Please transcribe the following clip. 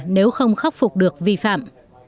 nếu không khắc phục được vi phạm